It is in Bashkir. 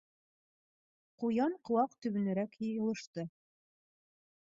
Ҡуян ҡыуаҡ төбөнәрәк йылышты.